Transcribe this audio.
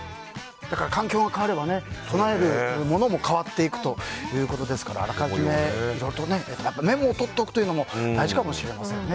環境が変われば備えるものも変わっていくということですからあらかじめいろいろとメモを取っておくというのも大事かもしれませんね